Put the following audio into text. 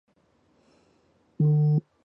祖父卫从政。